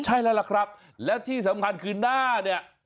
ใช่แล้วล่ะครับและที่สำคัญคือหน้าเนี่ย